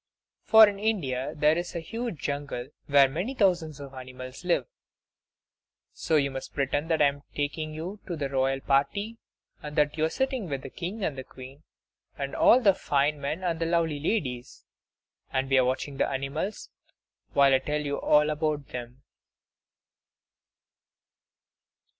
For in India there is a huge jungle where many thousands of animals live. So you must pretend that I am taking you to the Royal party, and that you are sitting with the King and Queen and all the fine men and lovely ladies; and we are watching the animals, while I tell you all about them.